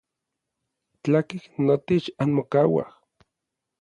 Tlakej notech anmokauaj.